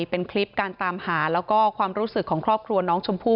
เป็นคลิปการตามหาแล้วก็ความรู้สึกของครอบครัวน้องชมพู่